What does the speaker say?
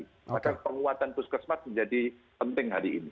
maka penguatan puskesmas menjadi penting hari ini